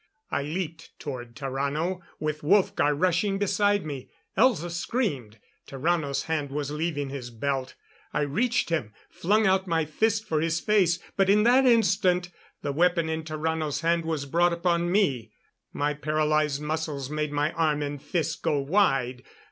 I leaped toward Tarrano, with Wolfgar rushing beside me. Elza screamed. Tarrano's hand was leaving his belt. I reached him; flung out my fist for his face. But in that instant the weapon in Tarrano's hand was brought upon me. My paralyzed muscles made my arm and fist go wide.